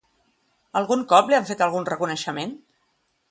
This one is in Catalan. Algun cop li han fet algun reconeixement?